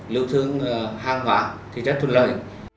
lưu thương hàng hóa thì rất thuận lợi